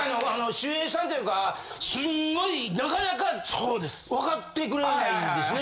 というかすんごいなかなか分かってくれないですね。